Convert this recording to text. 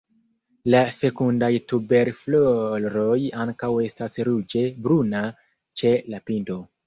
La fekundaj tuberfloroj ankaŭ estas ruĝe bruna ĉe la pinto.